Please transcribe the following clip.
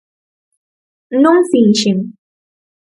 Non finxen.